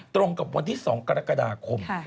ตรงกับวันที่๒กรกฎาคม